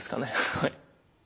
はい。